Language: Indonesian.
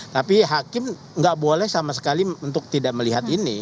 tapi hakim nggak boleh sama sekali untuk tidak melihat ini